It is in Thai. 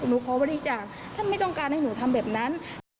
ขอบริจาคท่านไม่ต้องการให้หนูทำแบบนั้น